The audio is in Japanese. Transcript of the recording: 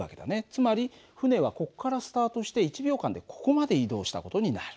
つまり船はここからスタートして１秒間でここまで移動した事になる。